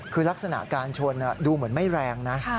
คือลักษณะการชนดูเหมือนไม่แรงนะ